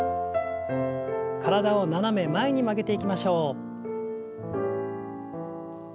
体を斜め前に曲げていきましょう。